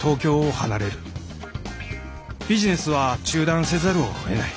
ビジネスは中断せざるを得ない。